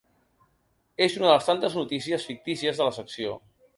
És una de les tantes notícies fictícies de la secció.